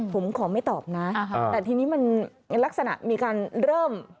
ผมขอไม่ตอบนะแต่ทีนี้มันลักษณะมีการเริ่ม